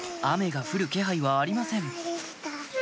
雨が降る気配はありません